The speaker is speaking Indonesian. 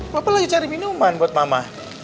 bapak lagi cari minuman buat mama